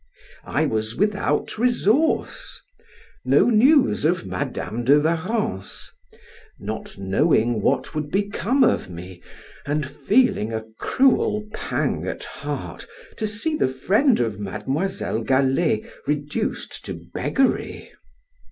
I was without resource; no news of Madam de Warrens; not knowing what would become of me, and feeling a cruel pang at heart to see the friend of Mademoiselle Galley reduced to beggary.